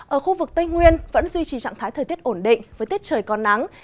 ở khu vực tây nguyên vẫn duy trì trạng thái thời tiết ổn định với tiết trời còn nắng